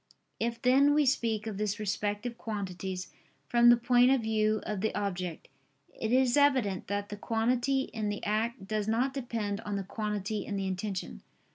If then we speak of these respective quantities from the point of view of the object, it is evident that the quantity in the act does not depend on the quantity in the intention.